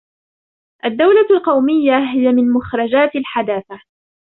الدولة القومية هي من مخرجات الحداثة